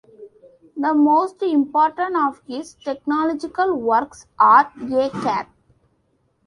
The most important of his theological works are: A kath.